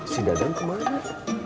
si dadan kemana